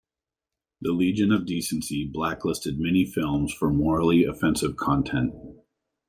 The Legion of Decency blacklisted many films for morally offensive content.